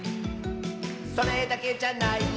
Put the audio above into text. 「それだけじゃないよ」